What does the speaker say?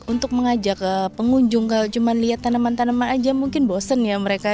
untuk mengajak pengunjung kalau cuma lihat tanaman tanaman aja mungkin bosen ya mereka